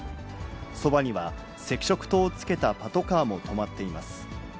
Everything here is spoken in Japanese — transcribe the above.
そばには赤色灯をつけたパトカーも止まっています。